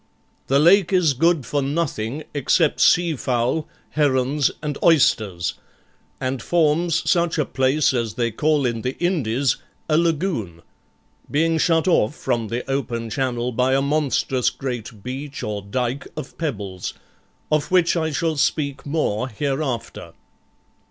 The lake is good for nothing except sea fowl, herons, and oysters, and forms such a place as they call in the Indies a lagoon; being shut off from the open Channel by a monstrous great beach or dike of pebbles, of which I shall speak more hereafter.